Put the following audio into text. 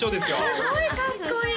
すごいかっこいい！